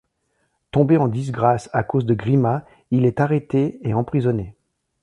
Tombé en disgrâce à cause de Gríma, il est arrêté et emprisonné.